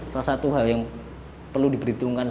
salah satu hal yang perlu diperhitungkan